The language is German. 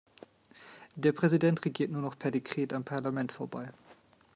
Der Präsident regiert nur noch per Dekret am Parlament vorbei.